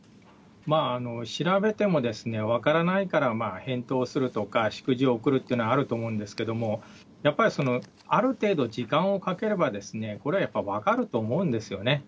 調べても分からないから返答するとか、祝辞を送るっていうのはあると思うんですけれども、やっぱりある程度時間をかければ、これはやっぱり分かると思うんですよね。